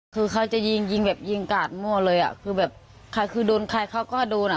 คือเขาจะยิงแบบยิงกาตมั่วเลยคือโดนใครเขาก็ดูนะ